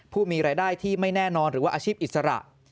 ผู้อาชีปหรืออาชีปอิสระ